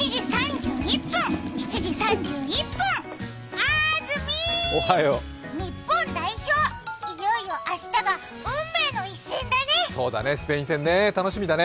あずみ、日本代表、いよいよ明日が運命の一戦だね。